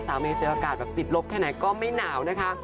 สามีเจอกาสติดลบแค่ไหนก็ไม่หนาวนะคะ